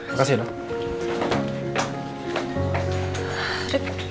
makasih ya dok